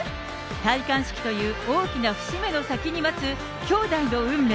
戴冠式という大きな節目の先に待つ兄弟の運命。